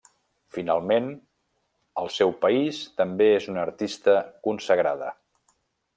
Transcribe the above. Finalment, al seu país també és una artista consagrada.